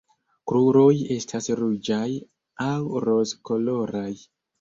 Kruroj estas ruĝaj aŭ rozkoloraj.